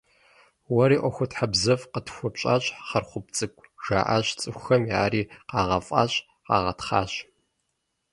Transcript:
«Уэри ӀуэхутхьэбзэфӀ къытхуэпщӀащ, Хьэрхъуп цӀыкӀу», - жаӀащ цӀыхухэми, ари къагъэфӀащ, къагъэтхъащ.